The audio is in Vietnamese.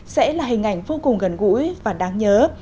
sẽ là hình ảnh vô cùng gần gũi và đáng nhớ